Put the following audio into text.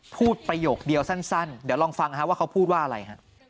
ประโยคเดียวสั้นเดี๋ยวลองฟังว่าเขาพูดว่าอะไรฮะ